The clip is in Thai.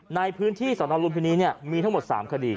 ในพื้นที่สอนรวมที่นี่เนี่ยมีทั้งหมดสามคดี